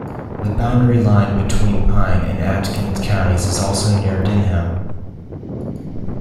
The boundary line between Pine and Aitkin counties is also near Denham.